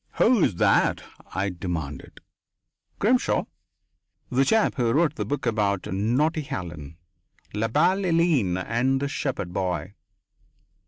"Who is that?" I demanded. "Grimshaw. The chap who wrote the book about naughty Helen. La belle Hélène and the shepherd boy."